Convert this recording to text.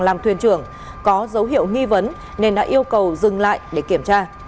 làm thuyền trưởng có dấu hiệu nghi vấn nên đã yêu cầu dừng lại để kiểm tra